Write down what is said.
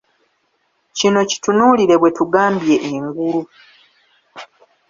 Kino kitunuulire bwe tugambye engulu.